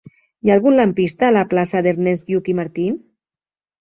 Hi ha algun lampista a la plaça d'Ernest Lluch i Martín?